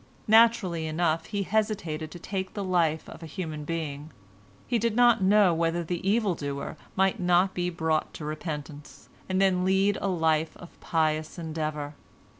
Naturally enough he hesitated to take the life of a human being. He did not know whether the evil doer might not be brought to repentance, and then lead a life of pious endeavor.